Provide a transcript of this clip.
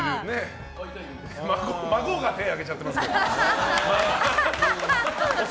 孫が手を上げちゃってますけど。